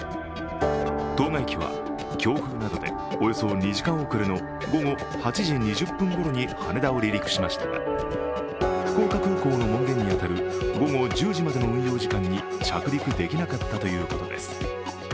当該機は強風などでおよそ２時間遅れの午後８時２０分ごろに羽田を離陸しましたが福岡空港の門限に当たる午後１０時までの運用時間に着陸できなかったということです。